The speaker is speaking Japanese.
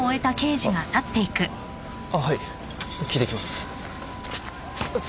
あっはい聞いてきます。